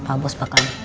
pak bos bakal happy terus